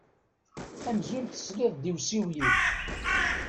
Amzun tesliḍ-d i usiwel-iw.